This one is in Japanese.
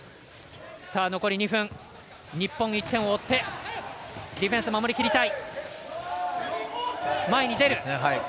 日本１点を追ってディフェンス守りきりたい。